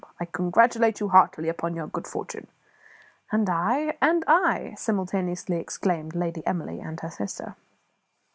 I congratulate you heartily upon your good fortune." "And I;" "And I," simultaneously exclaimed Lady Emily and her sister.